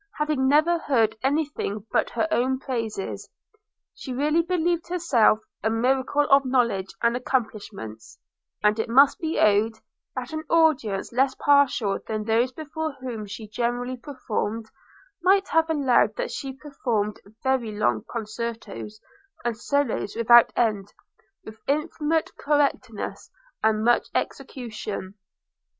Having never heard any thing but her own praises, she really believed herself a miracle of knowledge and accomplishments; and it must be owned, that an audience less partial than those before whom she generally performed, might have allowed that she performed very long concertos, and solos without end, with infinite correctness, and much execution.